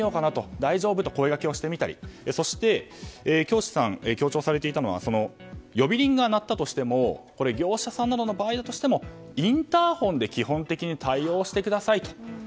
大丈夫？と声がけをしてみたりそして京師さんが強調されていたのは呼び鈴が鳴ったとして、それが業者さんの場合だとしてもインターホンで基本的に対応してくださいと。